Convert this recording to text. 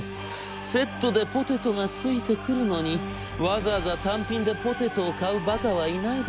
セットでポテトが付いてくるのにわざわざ単品でポテトを買うバカはいないでしょう？』。